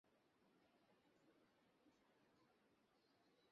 অবিলম্বে পদত্যাগ করে নতুন করে সংলাপের মাধ্যমে নির্বাচনের নতুন তফসিল ঘোষণা করুন।